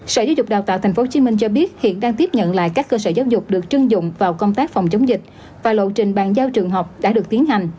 sở giáo dục đào tạo tp hcm cho biết hiện đang tiếp nhận lại các cơ sở giáo dục được trưng dụng vào công tác phòng chống dịch và lộ trình bàn giao trường học đã được tiến hành